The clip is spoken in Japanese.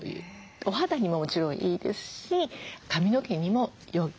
お肌にももちろんいいですし髪の毛にもよい。